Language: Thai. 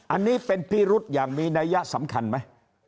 อันนี้เป็นพิรุษอย่างมีนัยยะสำคัญไหม